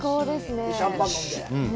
シャンパン飲んで。